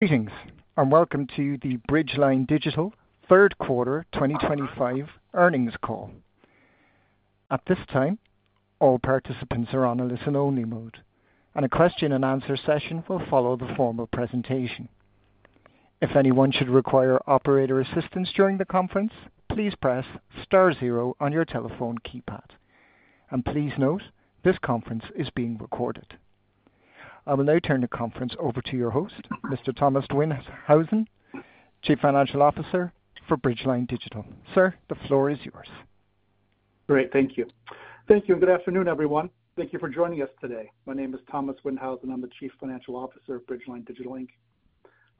Meetings, and welcome to the Bridgeline Digital Third Quarter 2025 earnings call. At this time, all participants are on a listen-only mode, and a question-and-answer session will follow the formal presentation. If anyone should require operator assistance during the conference, please press *0 on your telephone keypad. Please note, this conference is being recorded. I will now turn the conference over to your host, Mr. Thomas Windhausen, Chief Financial Officer for Bridgeline Digital. Sir, the floor is yours. Great, thank you. Thank you, and good afternoon, everyone. Thank you for joining us today. My name is Thomas Windhausen, and I'm the Chief Financial Officer at Bridgeline Digital Inc.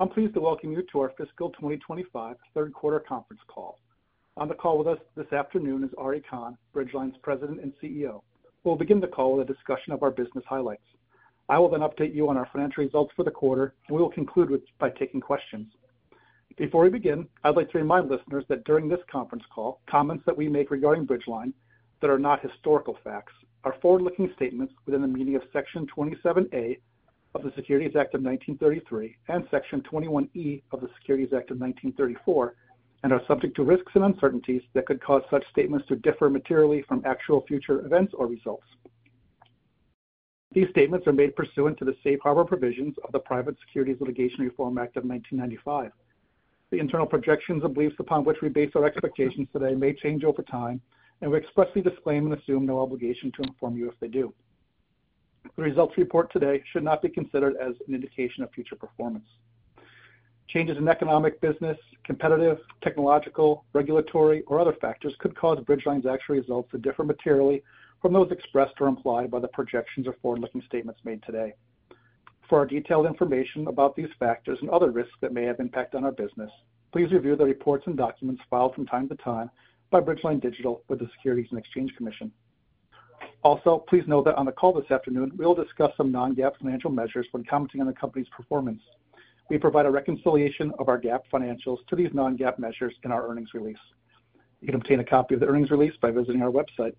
I'm pleased to welcome you to our Fiscal 2025 Third Quarter Conference Call. On the call with us this afternoon is Ari Kahn, Bridgeline's President and CEO, who will begin the call with a discussion of our business highlights. I will then update you on our financial results for the quarter, and we will conclude by taking questions. Before we begin, I'd like to remind listeners that during this conference call, comments that we make regarding Bridgeline that are not historical facts are forward-looking statements within the meaning of Section 27(a) of the Securities Act of 1933 and Section 21(e) of the Securities Act of 1934, and are subject to risks and uncertainties that could cause such statements to differ materially from actual future events or results. These statements are made pursuant to the safe harbor provisions of the Private Securities Litigation Reform Act of 1995. The internal projections and beliefs upon which we base our expectations today may change over time, and we expressly disclaim and assume no obligation to inform you if they do. The results reported today should not be considered as an indication of future performance. Changes in economic, business, competitive, technological, regulatory, or other factors could cause Bridgeline's actual results to differ materially from those expressed or implied by the projections or forward-looking statements made today. For detailed information about these factors and other risks that may have impact on our business, please review the reports and documents filed from time to time by Bridgeline Digital or the Securities and Exchange Commission. Also, please know that on the call this afternoon, we will discuss some non-GAAP financial measures when commenting on the company's performance. We provide a reconciliation of our GAAP financials to these non-GAAP measures in our earnings release. You can obtain a copy of the earnings release by visiting our website.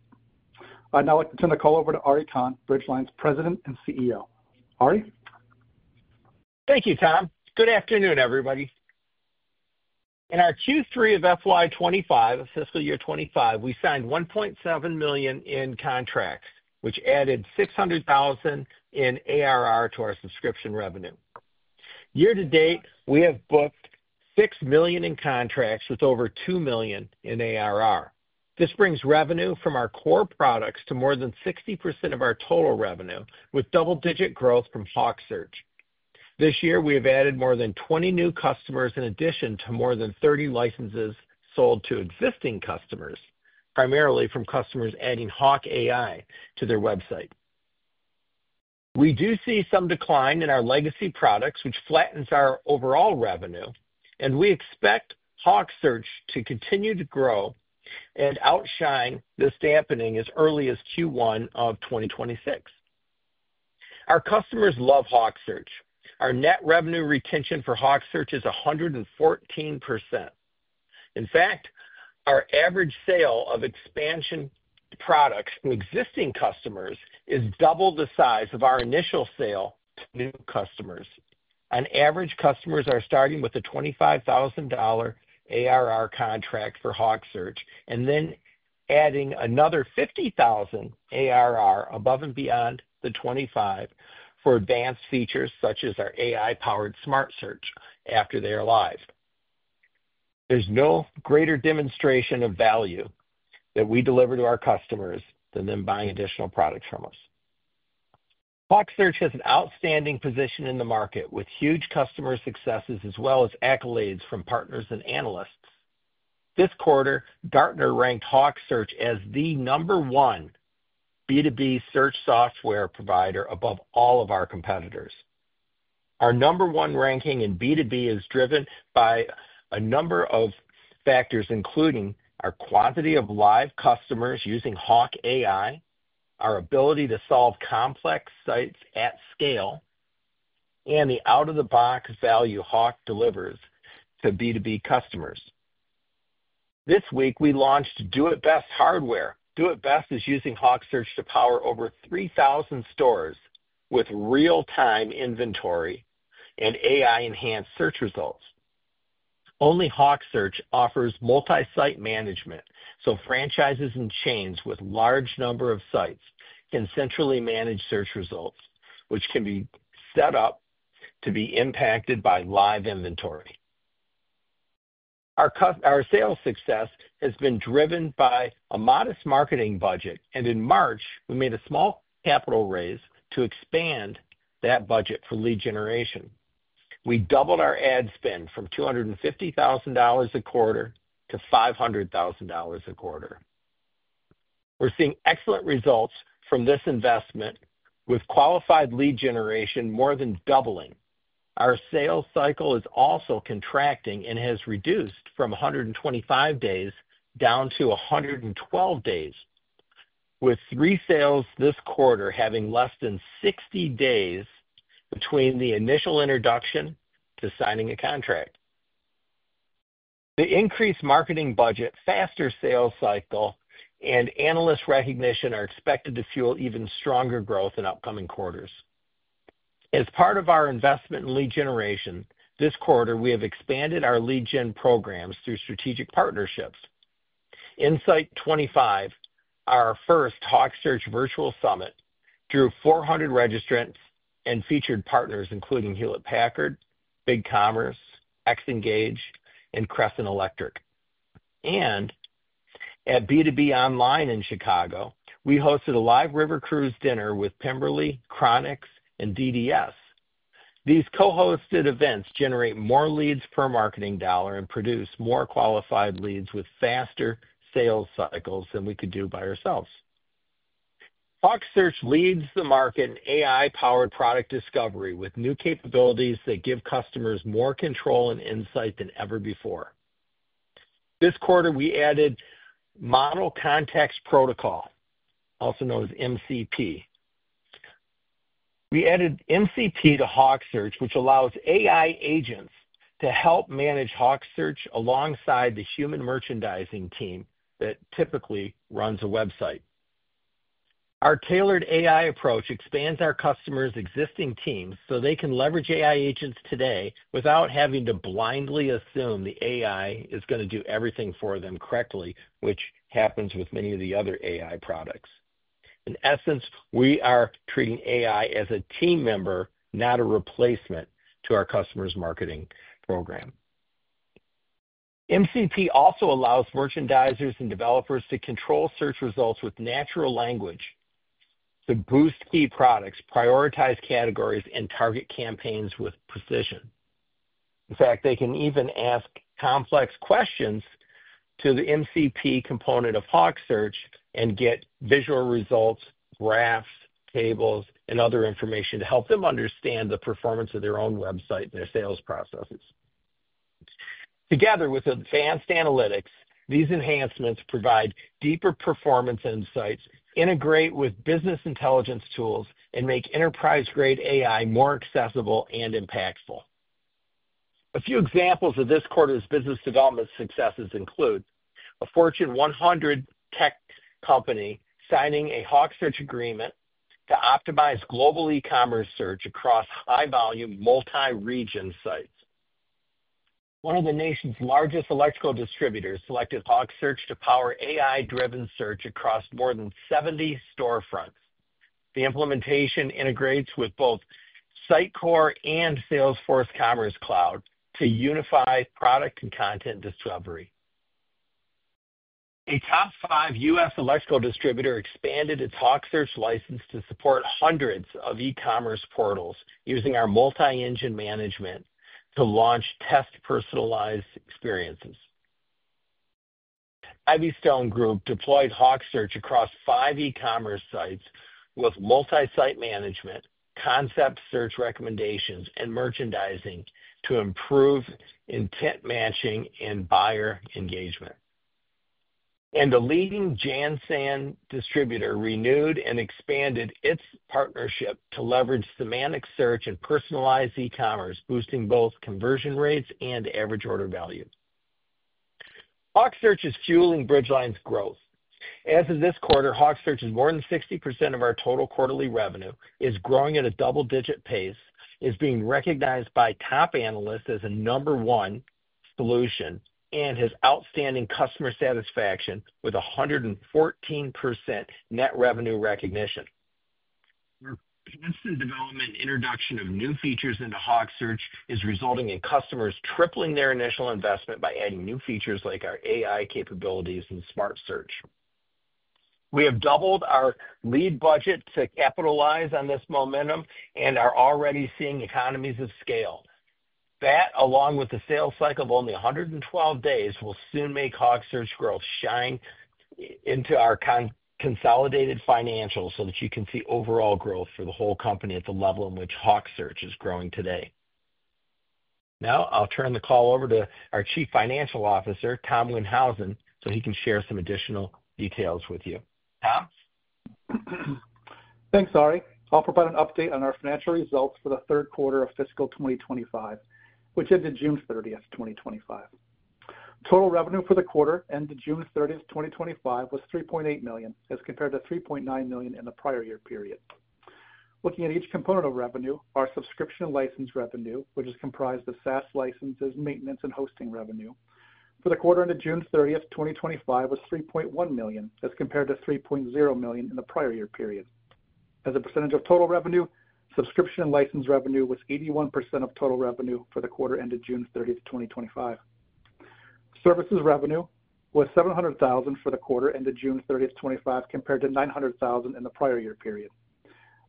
I'd now like to turn the call over to Ari Kahn, Bridgeline's President and CEO. Ari? Thank you, Tom. Good afternoon, everybody. In our Q3 of FY 2025, fiscal year 2025, we signed $1.7 million in contracts, which added $600,000 in ARR to our subscription revenue. Year to date, we have booked $6 million in contracts with over $2 million in ARR. This brings revenue from our core products to more than 60% of our total revenue, with double-digit growth from HawkSearch. This year, we have added more than 20 new customers in addition to more than 30 licenses sold to existing customers, primarily from customers adding HawkAI to their website. We do see some decline in our legacy products, which flattens our overall revenue, and we expect HawkSearch to continue to grow and outshine this dampening as early as Q1 of 2026. Our customers love HawkSearch. Our net revenue retention for HawkSearch is 114%. In fact, our average sale of expansion products from existing customers is double the size of our initial sale to new customers. On average, customers are starting with a $25,000 ARR contract for HawkSearch and then adding another $50,000 ARR above and beyond the $25,000 for advanced features such as our AI-powered SmartSearch after they are live. There's no greater demonstration of value that we deliver to our customers than them buying additional products from us. HawkSearch has an outstanding position in the market with huge customer successes as well as accolades from partners and analysts. This quarter, Gartner ranked HawkSearch as the number one B2B search software provider above all of our competitors. Our number one ranking in B2B is driven by a number of factors, including our quantity of live customers using HawkAI, our ability to solve complex sites at scale, and the out-of-the-box value Hawk delivers to B2B customers. This week, we launched Do It Best hardware. Do It Best is using HawkSearch to power over 3,000 stores with real-time inventory and AI-enhanced search results. Only HawkSearch offers multi-site management, so franchises and chains with a large number of sites can centrally manage search results, which can be set up to be impacted by live inventory. Our sales success has been driven by a modest marketing budget, and in March, we made a small capital raise to expand that budget for lead generation. We doubled our ad spend from $250,000 a quarter to $500,000 a quarter. We're seeing excellent results from this investment, with qualified lead generation more than doubling. Our sales cycle is also contracting and has reduced from 125 days down to 112 days, with three sales this quarter having less than 60 days between the initial introduction to signing a contract. The increased marketing budget, faster sales cycle, and analyst recognition are expected to fuel even stronger growth in upcoming quarters. As part of our investment in lead generation, this quarter, we have expanded our lead gen programs through strategic partnerships. Insight 25, our first HawkSearch virtual summit, drew 400 registrants and featured partners including Hewlett Packard, BigCommerce, Xngage, and Crescent Electric. At B2B Online in Chicago, we hosted a live river cruise dinner with Pemberley, Chronix, and DDS. These co-hosted events generate more leads per marketing dollar and produce more qualified leads with faster sales cycles than we could do by ourselves. HawkSearch leads the market in AI-powered product discovery with new capabilities that give customers more control and insight than ever before. This quarter, we added Model Context Protocol, also known as MCP. We added MCP to HawkSearch, which allows AI agents to help manage HawkSearch alongside the human merchandising team that typically runs a website. Our tailored AI approach expands our customers' existing teams so they can leverage AI agents today without having to blindly assume the AI is going to do everything for them correctly, which happens with many of the other AI products. In essence, we are treating AI as a team member, not a replacement to our customers' marketing program. MCP also allows merchandisers and developers to control search results with natural language to boost key products, prioritize categories, and target campaigns with precision. In fact, they can even ask complex questions to the MCP component of HawkSearch and get visual results, graphs, tables, and other information to help them understand the performance of their own website and their sales processes. Together with advanced analytics, these enhancements provide deeper performance insights, integrate with business intelligence tools, and make enterprise-grade AI more accessible and impactful. A few examples of this quarter's business development successes include a Fortune 100 tech company signing a HawkSearch agreement to optimize global e-commerce search across high-volume multi-region sites. One of the nation's largest electrical distributors selected HawkSearch to power AI-driven search across more than 70 storefronts. The implementation integrates with both Sitecore and Salesforce Commerce Cloud to unify product and content discovery. A top five U.S. electrical distributor expanded its HawkSearch license to support hundreds of e-commerce portals using our multi-engine management to launch test personalized experiences. Ivystone Group deployed HawkSearch across five e-commerce sites with multi-site management, concept search recommendations, and merchandising to improve intent matching and buyer engagement. A leading Jansen distributor renewed and expanded its partnership to leverage semantic search and personalized e-commerce, boosting both conversion rates and average order value. HawkSearch is fueling Bridgeline Digital's growth. As of this quarter, HawkSearch is more than 60% of our total quarterly revenue, is growing at a double-digit pace, is being recognized by top analysts as a number one solution, and has outstanding customer satisfaction with 114% net revenue retention. Our constant development and introduction of new features into HawkSearch is resulting in customers tripling their initial investment by adding new features like our AI capabilities and SmartSearch. We have doubled our lead budget to capitalize on this momentum and are already seeing economies of scale. That, along with the sales cycle of only 112 days, will soon make HawkSearch growth shine into our consolidated financials so that you can see overall growth for the whole company at the level in which HawkSearch is growing today. Now, I'll turn the call over to our Chief Financial Officer, Thomas Windhausen, so he can share some additional details with you. Tom? Thanks, Ari. I'll provide an update on our financial results for the third quarter of Fiscal 2025, which ended June 30th, 2025. Total revenue for the quarter ended June 30, 2025, was $3.8 million, as compared to $3.9 million in the prior year period. Looking at each component of revenue, our subscription license revenue, which is comprised of SaaS licenses, maintenance, and hosting revenue, for the quarter ended June 30, 2025, was $3.1 million, as compared to $3.0 million in the prior year period. As a percentage of total revenue, subscription license revenue was 81% of total revenue for the quarter ended June 30, 2025. Services revenue was $700,000 for the quarter ended June 30, 2025, compared to $900,000 in the prior year period.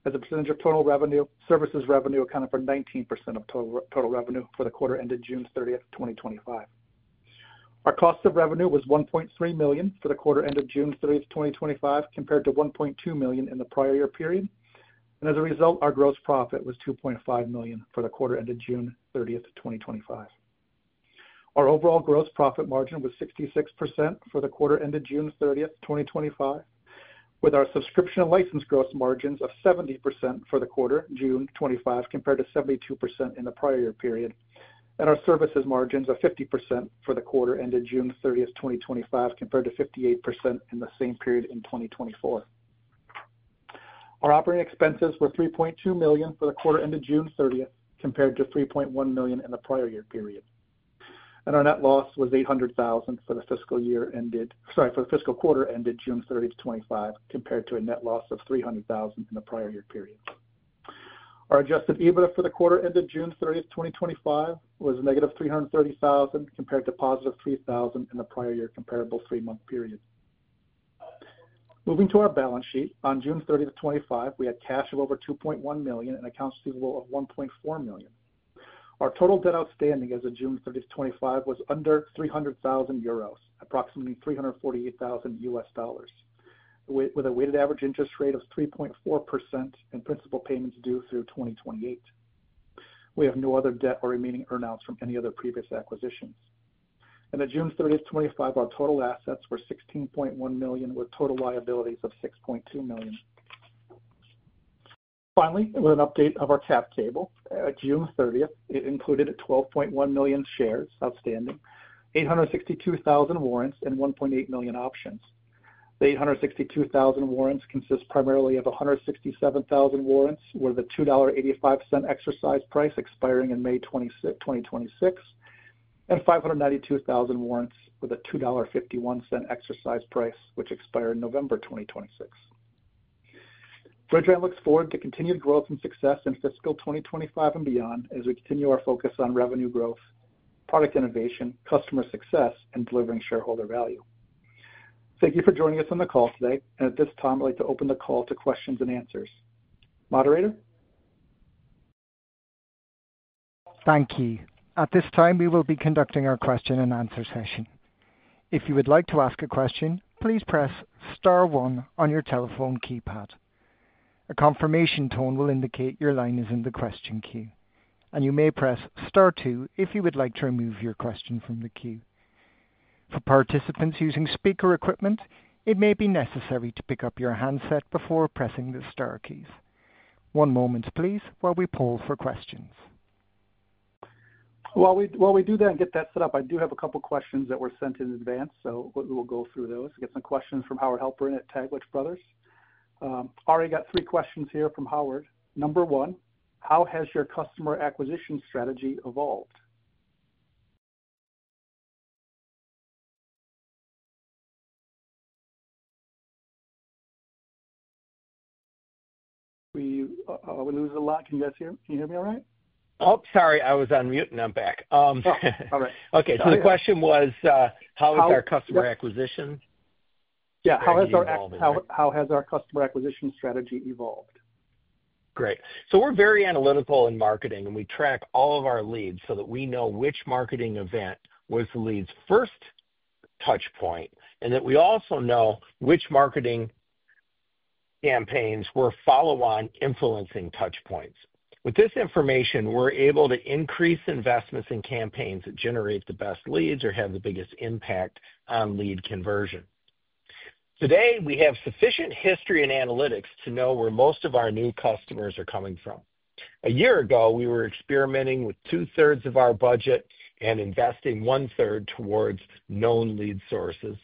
As a percentage of total revenue, services revenue accounted for 19% of total revenue for the quarter ended June 30th, 2025. Our cost of revenue was $1.3 million for the quarter ended June 30, 2025, compared to $1.2 million in the prior year period. As a result, our gross profit was $2.5 million for the quarter ended June 30th, 2025. Our overall gross profit margin was 66% for the quarter ended June 30th, 2025, with our subscription license gross margins of 70% for the quarter ended June 2025, compared to 72% in the prior year period. Our services margins were 50% for the quarter ended June 30, 2025, compared to 58% in the same period in 2024. Our operating expenses were $3.2 million for the quarter ended June 30th, 2025, compared to $3.1 million in the prior year period. Our net loss was $800,000 for the fiscal quarter ended June 30, 2025, compared to a net loss of $300,000 in the prior year period. Our adjusted EBITDA for the quarter ended June 30, 2025, was -$330,000, compared to +$3,000 in the prior year comparable three-month period. Moving to our balance sheet, on June 30, 2025, we had cash of over $2.1 million and accounts receivable of $1.4 million. Our total debt outstanding as of June 30, 2025, was under $300,000, approximately $348,000, with a weighted average interest rate of 3.4% and principal payments due through 2028. We have no other debt or remaining earnouts from any other previous acquisitions. At June 30, 2025, our total assets were $16.1 million with total liabilities of $6.2 million. Finally, with an update of our cap table, at June 30, it included 12.1 million shares outstanding, 862,000 warrants, and 1.8 million options. The 862,000 warrants consist primarily of 167,000 warrants with a $2.85 exercise price expiring in May 2026, and 592,000 warrants with a $2.51 exercise price, which expire in November 2026. Bridgeline Digital looks forward to continued growth and success in Fiscal 2025 and beyond as we continue our focus on revenue growth, product innovation, customer success, and delivering shareholder value. Thank you for joining us on the call today. At this time, I'd like to open the call to questions and answers. Moderator? Thank you. At this time, we will be conducting our question and answer session. If you would like to ask a question, please press *1 on your telephone keypad. A confirmation tone will indicate your line is in the question queue. You may press *2 if you would like to remove your question from the queue. For participants using speaker equipment, it may be necessary to pick up your handset before pressing the * keys. One moment, please, while we poll for questions. While we do that and get that set up, I do have a couple of questions that were sent in advance. We'll go through those. We got some questions from Howard Halpern at Taglich Brothers. Ari, got three questions here from Howard. Number one, how has your customer acquisition strategy evolved? We lose a lot. Can you guys hear me all right? Sorry, I was on mute. I'm back. All right. Okay, the question was, how has our customer acquisition? How has our customer acquisition strategy evolved? Great. We're very analytical in marketing, and we track all of our leads so that we know which marketing event was the lead's first touchpoint, and that we also know which marketing campaigns were follow-on influencing touchpoints. With this information, we're able to increase investments in campaigns that generate the best leads or have the biggest impact on lead conversion. Today, we have sufficient history and analytics to know where most of our new customers are coming from. A year ago, we were experimenting with 2/3 of our budget and investing 1/3 towards known lead sources.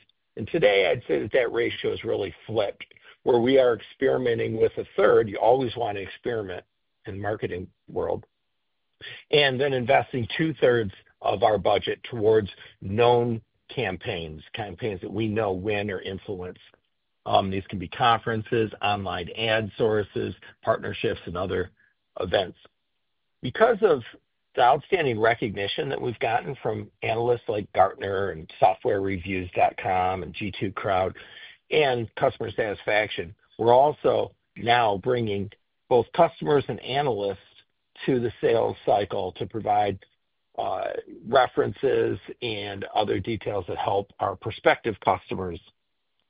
Today, I'd say that that ratio has really flipped, where we are experimenting with a third. You always want to experiment in the marketing world. Then investing 2/3 of our budget towards known campaigns, campaigns that we know win or influence. These can be conferences, online ad sources, partnerships, and other events. Because of the outstanding recognition that we've gotten from analysts like Gartner and softwarereviews.com and G2 Crowd and customer satisfaction, we're also now bringing both customers and analysts to the sales cycle to provide references and other details that help our prospective customers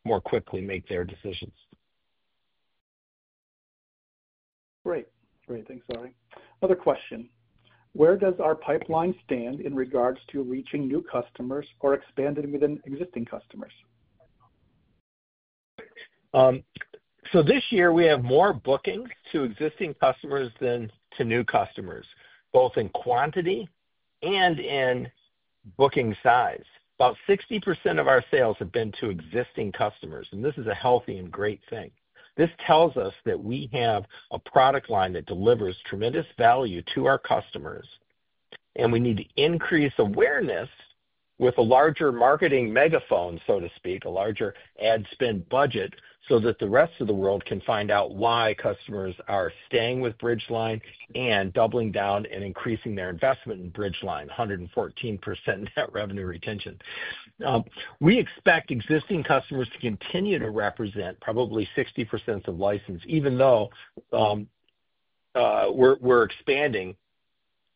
more quickly make their decisions. Great. Thanks, Ari. Another question. Where does our pipeline stand in regards to reaching new customers or expanding within existing customers? This year, we have more bookings to existing customers than to new customers, both in quantity and in booking size. About 60% of our sales have been to existing customers. This is a healthy and great thing. This tells us that we have a product line that delivers tremendous value to our customers. We need to increase awareness with a larger marketing megaphone, so to speak, a larger ad spend budget, so that the rest of the world can find out why customers are staying with Bridgeline and doubling down and increasing their investment in Bridgeline, 114% net revenue retention. We expect existing customers to continue to represent probably 60% of license, even though we're expanding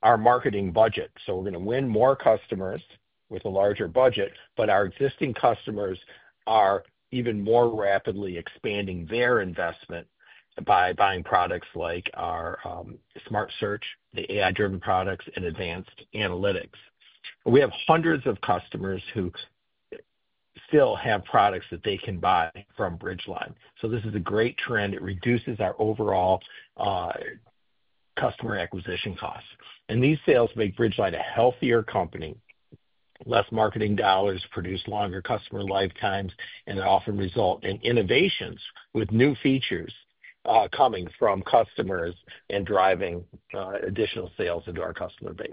our marketing budget. We're going to win more customers with a larger budget, but our existing customers are even more rapidly expanding their investment by buying products like our SmartSearch, the AI-driven products, and advanced analytics. We have hundreds of customers who still have products that they can buy from Bridgeline. This is a great trend. It reduces our overall customer acquisition costs. These sales make Bridgeline a healthier company, less marketing dollars, produce longer customer lifetimes, and they often result in innovations with new features coming from customers and driving additional sales into our customer base.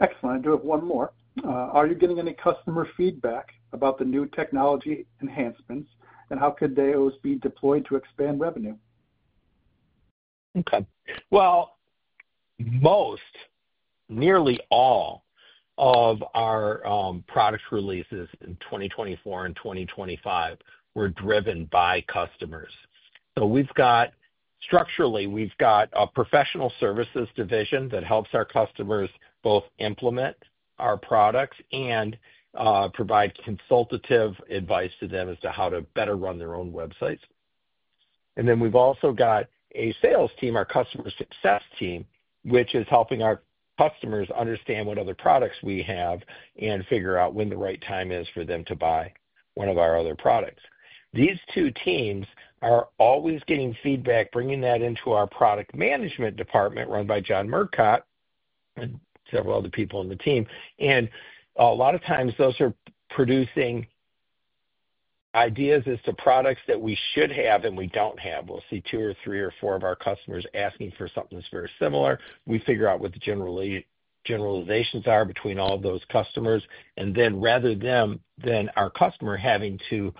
Excellent. I do have one more. Are you getting any customer feedback about the new technology enhancements, and how could they be deployed to expand revenue? Most, nearly all of our product releases in 2024 and 2025 were driven by customers. Structurally, we've got a Professional Services division that helps our customers both implement our products and provide consultative advice to them as to how to better run their own websites. We've also got a Sales team, our Customer Success team, which is helping our customers understand what other products we have and figure out when the right time is for them to buy one of our other products. These two teams are always getting feedback, bringing that into our Product Management department run by John Murcott and several other people on the team. A lot of times, those are producing ideas as to products that we should have and we don't have. We'll see two or three or four of our customers asking for something that's very similar. We figure out what the generalizations are between all of those customers. Rather than our customer having to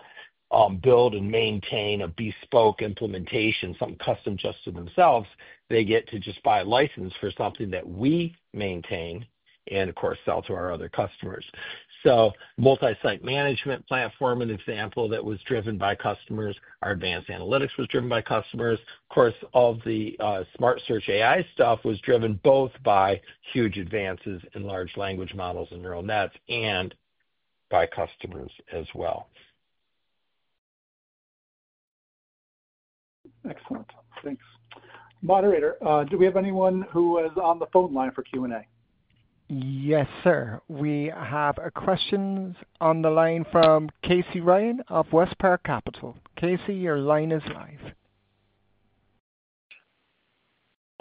build and maintain a bespoke implementation, something custom just to themselves, they get to just buy a license for something that we maintain and, of course, sell to our other customers. Multi-site management platform, an example that was driven by customers, our advanced analytics was driven by customers. Of course, all of the SmartSearch AI stuff was driven both by huge advances in large language models and neural nets and by customers as well. Excellent. Thanks. Moderator, do we have anyone who is on the phone line for Q&A? Yes, sir. We have questions on the line from Casey Ryan of Westpark Capital. Casey, your line is live.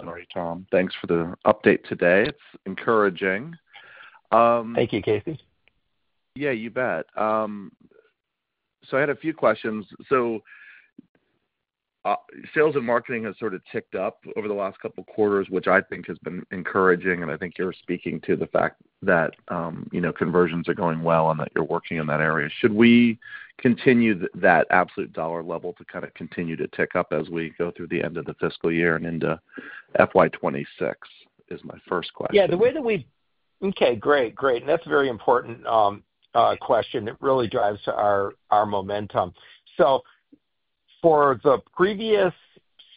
Sorry, Thomas. Thanks for the update today. It's encouraging. Thank you, Casey Ryan. Yeah, you bet. I had a few questions. Sales and marketing has sort of ticked up over the last couple of quarters, which I think has been encouraging. I think you're speaking to the fact that, you know, conversions are going well and that you're working in that area. Should we continue that absolute dollar level to kind of continue to tick up as we go through the end of the fiscal year and into FY 2026 is my first question. Yeah, the way that we, okay, great, great. That's a very important question that really drives our momentum. For the previous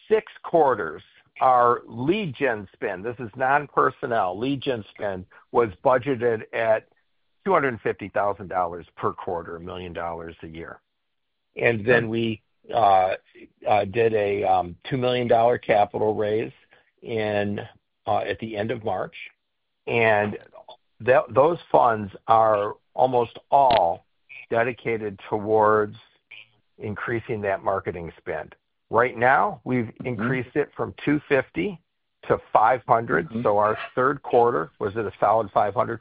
six quarters, our lead gen spend, this is non-personnel, lead gen spend was budgeted at $250,000 per quarter, $1 million a year. We did a $2 million capital raise at the end of March, and those funds are almost all dedicated towards increasing that marketing spend. Right now, we've increased it from $250 - $500. Our third quarter was at a solid $500.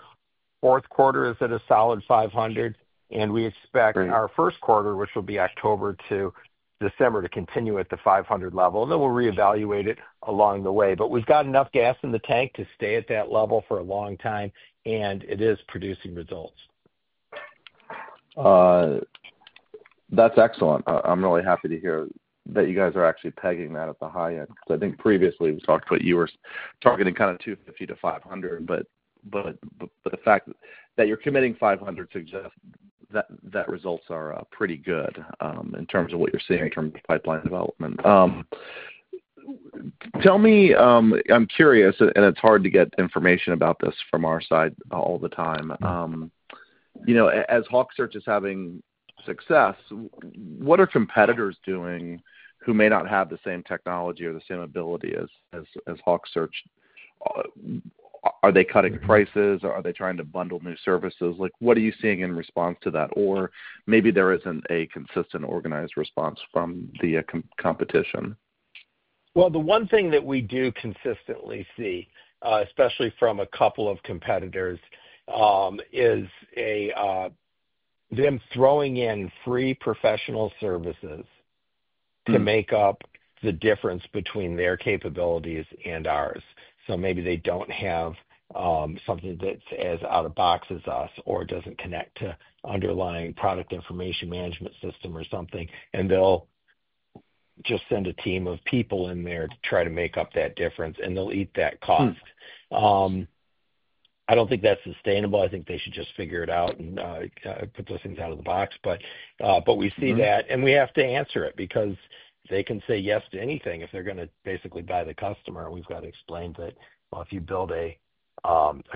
Fourth quarter is at a solid $500. We expect our first quarter, which will be October to December, to continue at the $500 level. We'll reevaluate it along the way. We've got enough gas in the tank to stay at that level for a long time, and it is producing results. That's excellent. I'm really happy to hear that you guys are actually pegging that at the high end. I think previously we talked about you were targeting kind of $250 - $500, but the fact that you're committing $500 suggests that results are pretty good in terms of what you're seeing in terms of pipeline development. Tell me, I'm curious, and it's hard to get information about this from our side all the time. As HawkSearch is having success, what are competitors doing who may not have the same technology or the same ability as HawkSearch? Are they cutting prices? Are they trying to bundle new services? What are you seeing in response to that? Maybe there isn't a consistent organized response from the competition? The one thing that we do consistently see, especially from a couple of competitors, is them throwing in free professional services to make up the difference between their capabilities and ours. Maybe they don't have something that's as out-of-box as us or doesn't connect to underlying product information management system or something, and they'll just send a team of people in there to try to make up that difference, and they'll eat that cost. I don't think that's sustainable. I think they should just figure it out and put those things out of the box. We see that, and we have to answer it because they can say yes to anything if they're going to basically buy the customer. We've got to explain that if you build a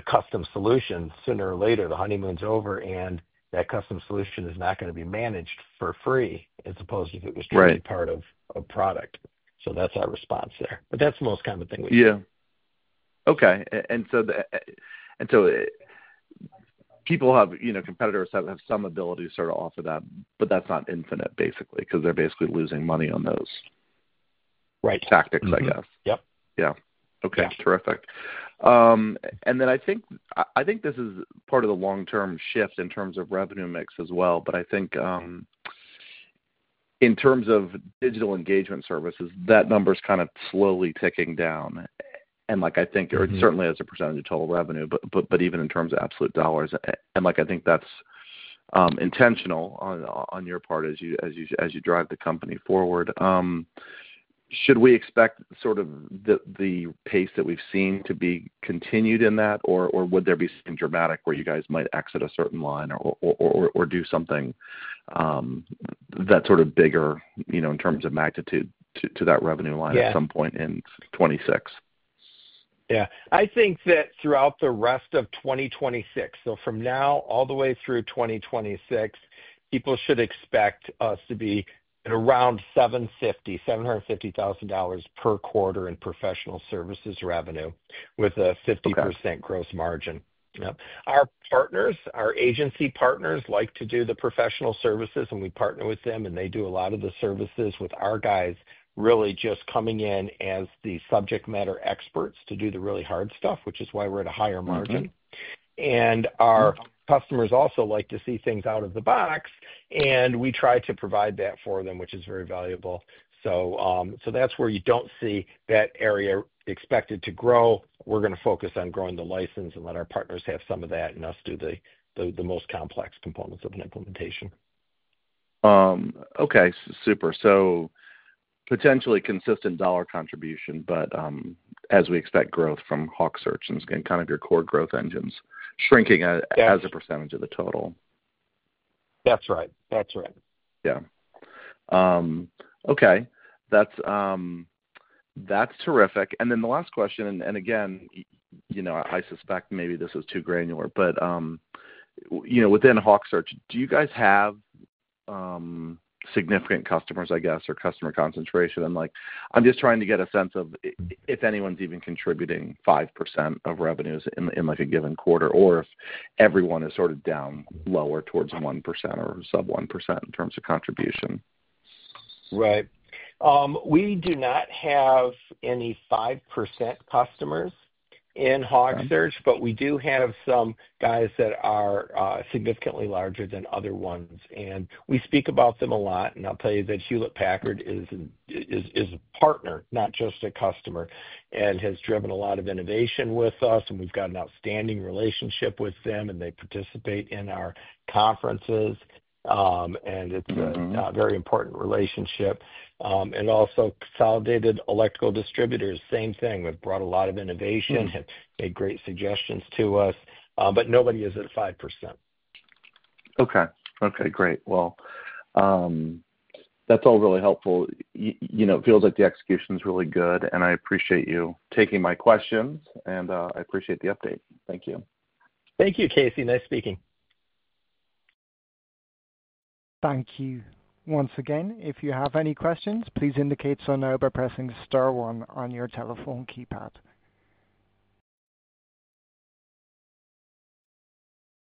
custom solution, sooner or later, the honeymoon's over, and that custom solution is not going to be managed for free as opposed to if it was strictly part of a product. That's our response there. That's the most common thing we see. Okay. People have competitors that have some ability to sort of offer that, but that's not infinite, basically, because they're basically losing money on those tactics, I guess. Right. Yep. Okay. Terrific. I think this is part of the long-term shift in terms of revenue mix as well. I think in terms of digital engagement services, that number is kind of slowly ticking down. It certainly is a percentage of total revenue, but even in terms of absolute dollars. I think that's intentional on your part as you drive the company forward. Should we expect sort of the pace that we've seen to be continued in that, or would there be something dramatic where you guys might exit a certain line or do something that's sort of bigger, you know, in terms of magnitude to that revenue line at some point in 2026? Yeah. I think that throughout the rest of 2026, from now all the way through 2026, people should expect us to be at around $750,000, $750,000 per quarter in professional services revenue with a 50% gross margin. Our partners, our agency partners like to do the professional services, and we partner with them, and they do a lot of the services with our guys really just coming in as the subject matter experts to do the really hard stuff, which is why we're at a higher margin. Our customers also like to see things out of the box, and we try to provide that for them, which is very valuable. That's where you don't see that area expected to grow. We're going to focus on growing the license and let our partners have some of that and us do the most complex components of an implementation. Okay. Super. Potentially consistent dollar contribution, but as we expect growth from HawkSearch and kind of your core growth engines shrinking as a percentage of the total. That's right. That's right. Okay. That's terrific. The last question, and again, I suspect maybe this is too granular, but within HawkSearch, do you guys have significant customers, I guess, or customer concentration? I'm just trying to get a sense of if anyone's even contributing 5% of revenues in a given quarter or if everyone is sort of down lower towards 1% or sub 1% in terms of contribution. Right. We do not have any 5% customers in HawkSearch, but we do have some guys that are significantly larger than other ones. We speak about them a lot. I'll tell you that Hewlett Packard is a partner, not just a customer, and has driven a lot of innovation with us. We've got an outstanding relationship with them, they participate in our conferences, and it's a very important relationship. Also, Consolidated Electrical Distributors, same thing. We've brought a lot of innovation, have made great suggestions to us, but nobody is at 5%. Great. That's all really helpful. You know, it feels like the execution is really good, and I appreciate you taking my questions, and I appreciate the update. Thank you. Thank you, Casey. Nice speaking. Thank you. Once again, if you have any questions, please indicate so now by pressing *1 on your telephone keypad.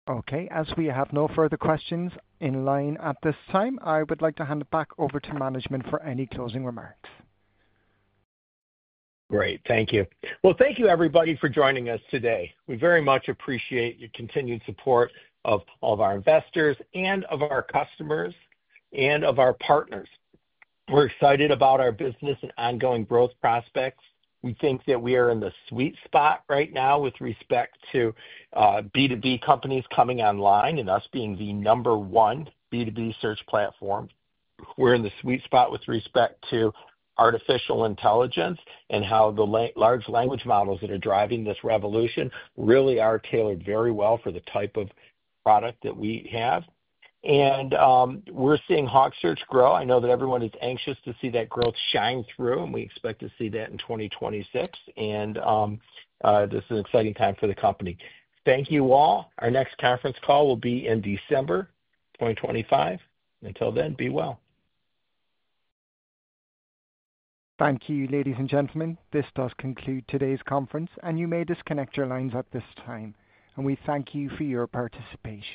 Okay. As we have no further questions in line at this time, I would like to hand it back over to management for any closing remarks. Thank you. Thank you, everybody, for joining us today. We very much appreciate your continued support of all of our investors, our customers, and our partners. We're excited about our business and ongoing growth prospects. We think that we are in the sweet spot right now with respect to B2B companies coming online and us being the number one B2B search platform. We're in the sweet spot with respect to artificial intelligence and how the large language models that are driving this revolution really are tailored very well for the type of product that we have. We're seeing HawkSearch grow. I know that everyone is anxious to see that growth shine through, and we expect to see that in 2026. This is an exciting time for the company. Thank you all. Our next conference call will be in December 2025. Until then, be well. Thank you, ladies and gentlemen. This does conclude today's conference, and you may disconnect your lines at this time. We thank you for your participation.